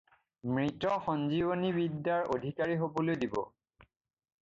মৃত-সঞ্জীৱনী বিদ্যাৰ অধিকাৰী হ'বলৈ দিব।